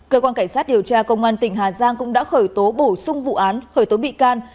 cơ quan cảnh sát điều tra công an tỉnh hà giang cũng đã khởi tố bổ sung vụ án khởi tố bị can